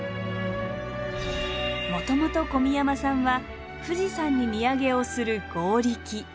もともと小見山さんは富士山に荷揚げをする「強力」。